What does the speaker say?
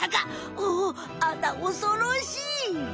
おおあなおそろしい。